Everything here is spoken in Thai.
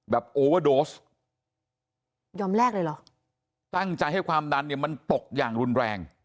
โอเวอร์โดสยอมแลกเลยเหรอตั้งใจให้ความดันเนี่ยมันตกอย่างรุนแรง